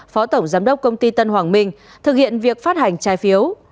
phó tổng giám đốc công ty tân hoàng minh thực hiện việc phát hành trái phiếu